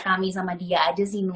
kami sama dia aja sih